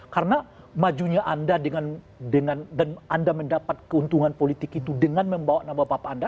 karena majunya anda dengan dan anda mendapat keuntungan politik itu dengan membawa nama bapak anda